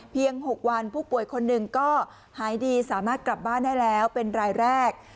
๖วันผู้ป่วยคนหนึ่งก็หายดีสามารถกลับบ้านได้แล้วเป็นรายแรก